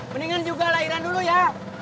mendingan juga lahiran dulu ya